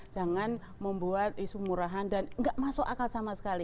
jangan membuat isu murahan dan nggak masuk akal sama sekali